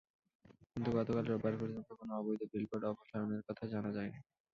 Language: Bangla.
কিন্তু গতকাল রোববার পর্যন্ত কোনো অবৈধ বিলবোর্ড অপসারণের কথা জানা যায়নি।